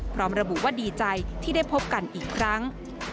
พร้อมระบุว่าดีใจที่ได้พบกันอีกครั้ง